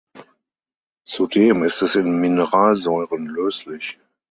Zudem ist es in Mineralsäuren löslich.